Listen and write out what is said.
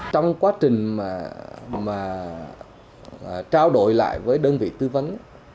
trong quá trình mà trao đổi lại với đơn vị tư vấn